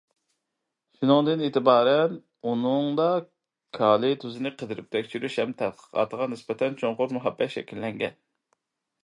شۇنىڭدىن ئېتىبارەن، ئۇنىڭدا كالىي تۇزىنى قىدىرىپ تەكشۈرۈش ھەم تەتقىقاتىغا نىسبەتەن چوڭقۇر مۇھەببەت شەكىللەنگەن.